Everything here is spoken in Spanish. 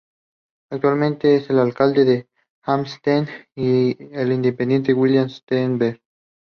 Actualmente, el alcalde de Hampstead es el independiente William Steinberg.